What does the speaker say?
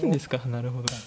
なるほど。